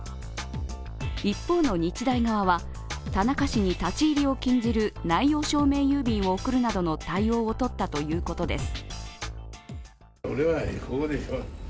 一方の日大側は、田中氏に立ち入りを禁じる内容証明郵便を送るなどの対応をとったということです。